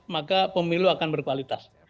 maka pemilu akan berkualitas